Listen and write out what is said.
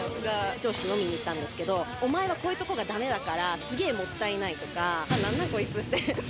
上司と飲みに行ったんですけどお前はこういうところがダメだからすげえもったいないとか。